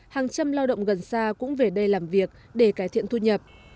hàng trăm lao động gần xa cũng về đây làm việc để cải thiện thu nhập